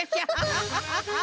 ハハハハハ。